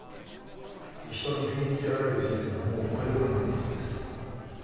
人に踏みつけられる人生はもうこりごりなんだそうです